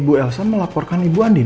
ibu elsa melaporkan ibu andin